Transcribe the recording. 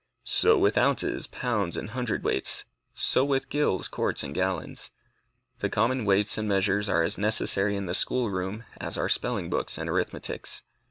So with ounces, pounds, and hundred weights. So with gills, quarts, and gallons. The common weights and measures are as necessary in the school room as are spelling books and arithmetics.